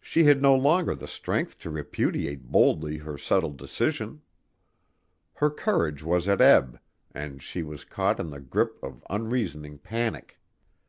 She had no longer the strength to repudiate boldly her settled decision. Her courage was at ebb and she was caught in the grip of unreasoning panic.